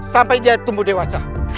sampai dia tumbuh dewasa